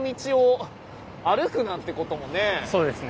そうですね。